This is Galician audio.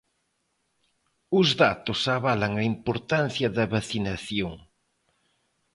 Os datos avalan a importancia da vacinación.